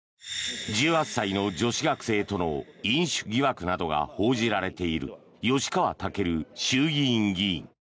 １８歳の女子学生との飲酒疑惑などが報じられている吉川赳衆議院議員。